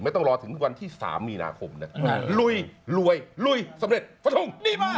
ไม่ต้องรอถึงวันที่๓มีนาคมลุยลวยลุยสำเร็จสะทุ่งดีมาก